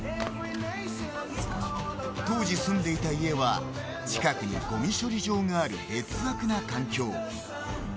当時住んでいた家は近くにごみ処理場がある劣悪な環境。